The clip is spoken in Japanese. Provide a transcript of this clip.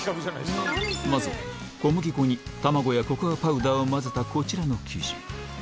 まずは、小麦粉に卵やココアパウダーを混ぜたこちらの生地。